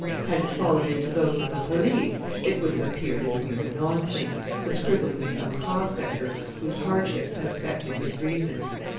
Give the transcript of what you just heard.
Had it fallen into those of the police it would have appeared as mere nonsense the scribbling of some prospector whose hardships had affected his reason.